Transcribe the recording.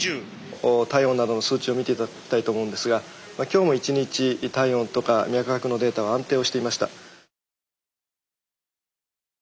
体温などの数値を見て頂きたいと思うんですが今日も一日体温とか脈拍のデータは安定をしていました。